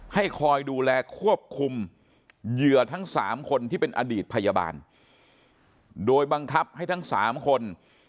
ให้คอยดูแลควบคุมเหยื่อทั้งสามคนที่เป็นอดีตพยาบาลโดยบังคับให้ทั้งสามคน